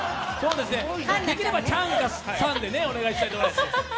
できれば「ちゃん」か「さん」でお願いしたいと思います。